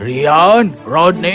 rian rodney bawa tongkat dan pakaian